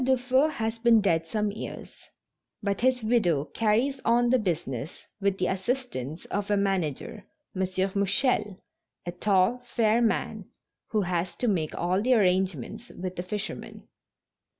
Dufeu has been dead some years, but his widow carries on the business with the assistance of a manager, M. Mouchel, a tall, fair man who has to make all the arrangements with the fishermen.